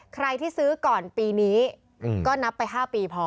ใครที่ซื้อก่อนปีนี้ก็นับไป๕ปีพอ